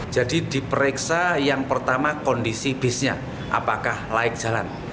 jadi diperiksa yang pertama kondisi bisnya apakah layak jalan